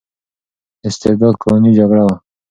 استرداد قانوني جګړه وه.